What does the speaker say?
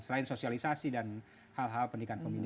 selain sosialisasi dan hal hal pendidikan pemimpin